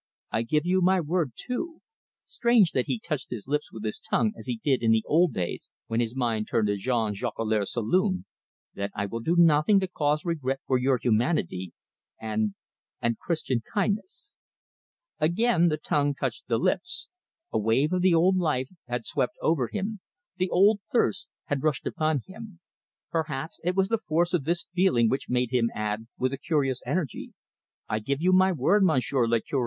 I give you my word, too" strange that he touched his lips with his tongue as he did in the old days when his mind turned to Jean Jolicoeur's saloon "that I will do nothing to cause regret for your humanity and and Christian kindness." Again the tongue touched the lips a wave of the old life had swept over him, the old thirst had rushed upon him. Perhaps it was the force of this feeling which made him add, with a curious energy, "I give you my word, Monsieur le Cure."